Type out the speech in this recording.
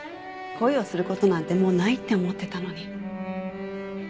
恋をする事なんてもうないって思ってたのに。